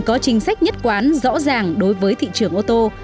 có chính sách nhất quán rõ ràng đối với thị trường ô tô